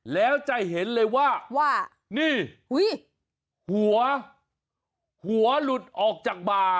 แล้วจะเห็นเลยว่านี่หัวหลุดออกจากบ่า